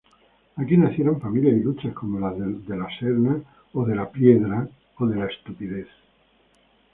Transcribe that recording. Aquí nacieron familias ilustres como los De la Serna o De la Piedra.